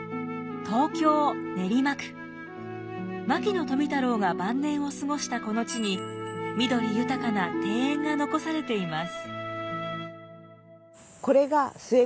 牧野富太郎が晩年を過ごしたこの地に緑豊かな庭園が残されています。